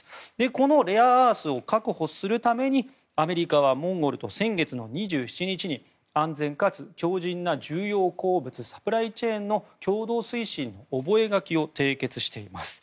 このレアアースを確保するためにアメリカはモンゴルと先月２７日に完全かつ強じんな重要鉱物サプライチェーンの共同推進の覚書を締結しています。